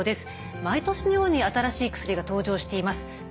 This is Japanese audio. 毎年のように新しい薬が登場しています。